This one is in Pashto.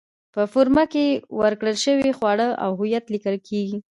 په فورمه کې ورکړل شوي خواړه او هویت لیکل کېږي.